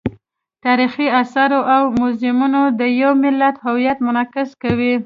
تاریخي آثار او موزیمونه د یو ملت هویت منعکس کوي.